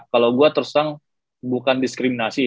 kalau gue terusan bukan diskriminasi